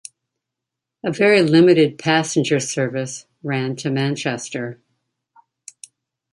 A very limited passenger service ran to Manchester.